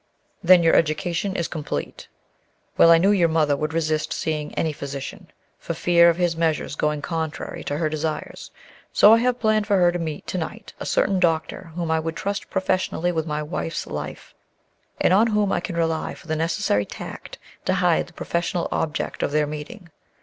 "Then your education is complete. Well, I knew your mother would resist seeing any physician, for fear of his measures going contrary to her desires; so I have planned for her to meet to night a certain doctor whom I would trust professionally with my wife's life, and on whom I can rely for the necessary tact to hide the professional object of their meeting.